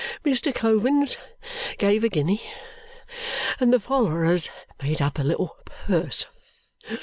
Mr. Coavins gave a guinea, and the follerers made up a little purse.